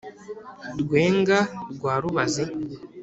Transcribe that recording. rwenga rwa rubazi